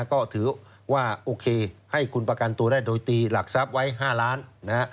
ก็ถือว่าโอเคให้คุณประกันตัวได้โดยตีหลักทรัพย์ไว้๕ล้านนะฮะ